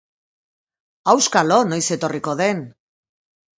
Auskalo noiz etorriko den!